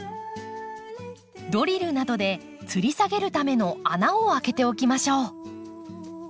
ドリルなどでつり下げるための穴を開けておきましょう。